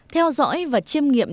theo dõi và chiêm nghiệm